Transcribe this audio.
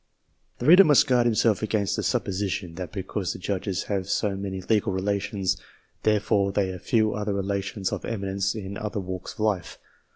The reader must guard himself against the supposition, that because the Judges have so many legal relations, therefore they have few other relations of eminence in other walks of life.